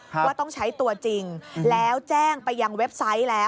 ว่าต้องใช้ตัวจริงแล้วแจ้งไปยังเว็บไซต์แล้ว